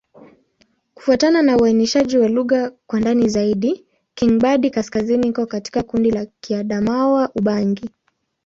Kufuatana na uainishaji wa lugha kwa ndani zaidi, Kingbandi-Kaskazini iko katika kundi la Kiadamawa-Ubangi.